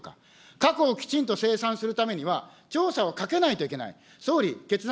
過去をきちんと清算するためには、調査をかけないといけない。